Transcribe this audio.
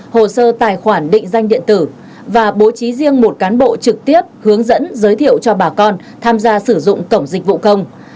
hồ sơ tài khoản định danh điện tử và bố trí riêng một cán bộ trực tiếp hướng dẫn giới thiệu cho bà con tham gia sử dụng cổng dịch vụ công